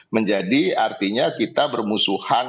menjadi artinya kita bermusuhan